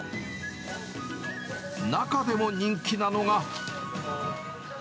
中でも人気なのが。